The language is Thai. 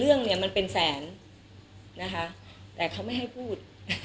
เรื่องเนี่ยมันเป็นแสนนะคะแต่เขาไม่ให้พูด